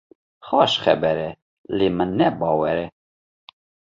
Xweş xeber e, lê min ne bawer e.